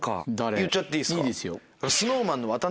言っちゃっていいですか。